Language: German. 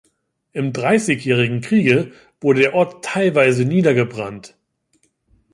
Im Dreißigjährigen Kriege wurde der Ort teilweise niedergebrannt.